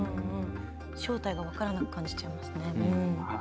正体が分からなく感じちゃいますね。